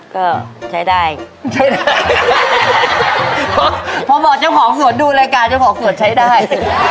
ก็ใช้ได้ใช้ได้พอบอกเจ้าของสวนดูรายการเจ้าของสวนใช้ได้